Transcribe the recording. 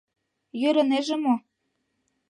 Йӧрынеже мо?